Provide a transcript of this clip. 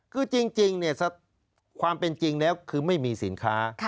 คือจริงเนี่ยความเป็นจริงแล้วคือไม่มีสินค้า